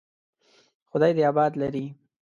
خدای دې آباد لري.